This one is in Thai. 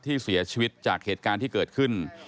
ที่เสียชีวิตจากเหตุการณ์ที่เกิดขึ้น